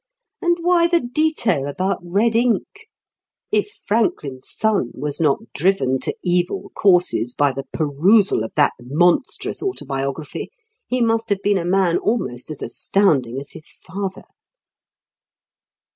And why the detail about red ink? If Franklin's son was not driven to evil courses by the perusal of that monstrous Autobiography, he must have been a man almost as astounding as his father.